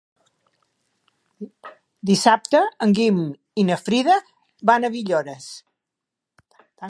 Dissabte en Guim i na Frida van a Villores.